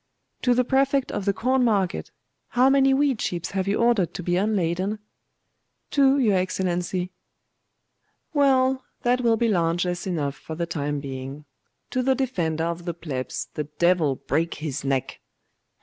'To the Prefect of the Corn market how many wheat ships have you ordered to be unladen?' 'Two, your Excellency.' 'Well, that will be largess enough for the time being. To the Defender of the Plebs the devil break his neck!